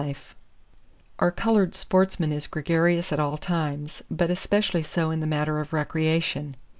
[Page 112] Our colored sportsman is gregarious at all times, but especially so in the matter of recreation.